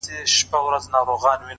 بس ده ه د غزل الف و با مي کړه ـ